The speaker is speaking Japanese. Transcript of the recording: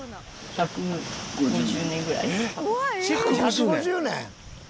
１５０年！？